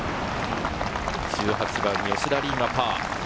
１８番、吉田鈴はパー。